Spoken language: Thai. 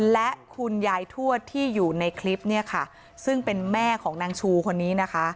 และคุณยายทวดที่อยู่ในคลิปเนี่ยค่ะซึ่งเป็นแม่ของนางชูคนนี้นะคะ